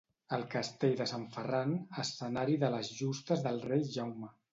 El Castell de Sant Ferran, escenari de les Justes del Rei Jaume.